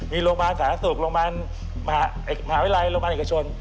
มีโรงพยาบาลสหรัฐศูนย์มหาวิทยาลัยและโรงพยาบาลเอกชน